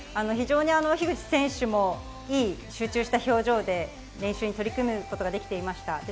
非常に樋口選手もいい集中した表情で練習に取り組むことができていました。